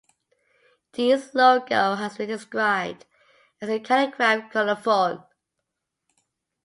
Dean's logo has been described as a "calligraphed colophon".